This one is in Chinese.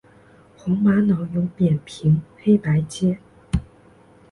红玛瑙有扁平黑白阶。